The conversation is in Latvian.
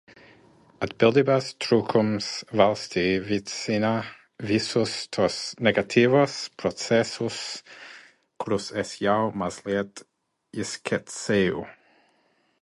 Atbildības trūkums valstī veicina visus tos negatīvos procesus, kurus es jau mazliet ieskicēju.